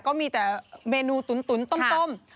ก็มีแต่เมนูตุ๋นต้ม